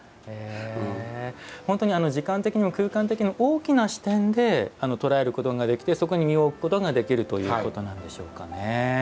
本当に時間的にも空間的にも大きな視点で捉えることができてそこに身を置くことができるということなんでしょうかね。